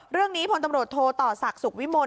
เรื่องนี้ผลตำรวจโทรต่อศักดิ์สุขวิมน